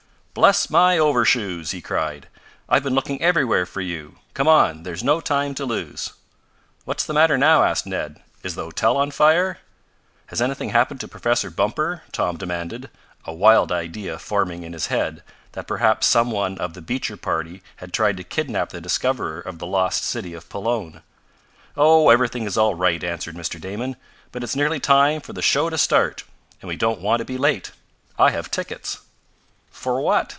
"Bless my overshoes!" he cried, "I've been looking everywhere for you! Come on, there's no time to lose!" "What's the matter now?" asked Ned. "Is the hotel on fire?" "Has anything happened to Professor Bumper?" Tom demanded, a wild idea forming in his head that perhaps some one of the Beecher party had tried to kidnap the discoverer of the lost city of Pelone. "Oh, everything is all right," answered Mr. Damon. "But it's nearly time for the show to start, and we don't want to be late. I have tickets." "For what?"